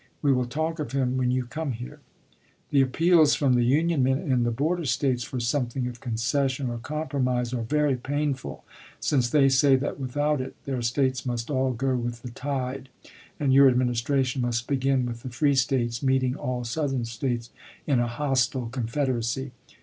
"We will talk of him when you come here. The appeals from the Union men in the border States for something of concession or compromise are very painful, since they say that without it their States must all go with the tide, and your Administration must begin with the free States meeting all Southern States in a hostile Confederacy.